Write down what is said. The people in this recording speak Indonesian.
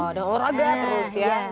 ada olahraga terus ya